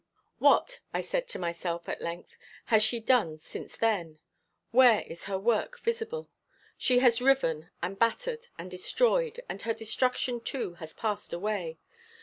"What," I said to myself at length, "has she done since then? Where is her work visible? She has riven, and battered, and destroyed, and her destruction too has passed away.